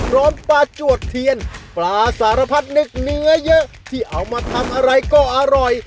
ร้อนปลาจวดเทียนปลาสารพัดนึกเนื้อเยอะที่เอามาทำอะไรก็อร่อย